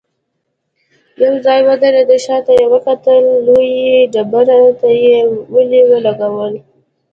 يو ځای ودرېده، شاته يې وکتل، لويې ډبرې ته يې ولي ولګول.